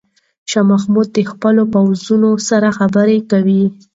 شاه محمود د خپلو پوځیانو سره خبرې کوي.